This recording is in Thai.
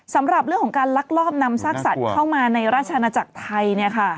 สำหรับเรื่องของการลักลอบนำซากสัตว์เข้ามาในราชนาจักรไทย